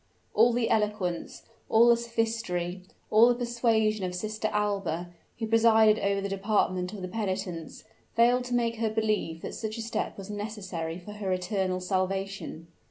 All the eloquence all the sophistry all the persuasion of Sister Alba, who presided over the department of the penitents, failed to make her believe that such a step was necessary for her eternal salvation.